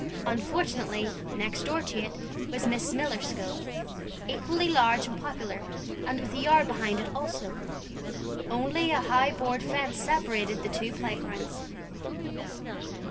Unfortunately, next door to it was Miss Miller's school, equally large and popular, and with a yard behind it also. Only a high board fence separated the two playgrounds.